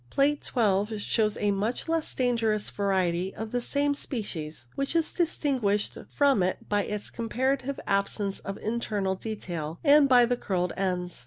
Plate 12 shows a much less dangerous variety of the same species, which is distinguished from it by the comparative absence of internal detail and by the curled ends.